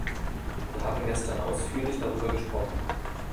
Wir haben gestern ausführlich darüber gesprochen.